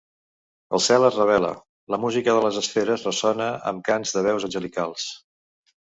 El cel es revela, la música de les esferes ressona amb cants de veus angelicals.